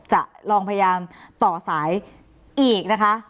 จะลองพยายามต่อสายอีกนะคะ